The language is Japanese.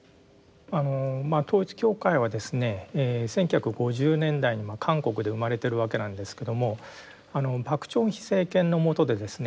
あの統一教会はですね１９５０年代に韓国で生まれてるわけなんですけども朴正煕政権の下でですね